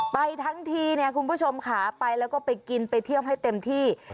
ไปทั้งทีเนี่ยคุณผู้ชมค่ะไปแล้วก็ไปกินไปเที่ยวให้เต็มที่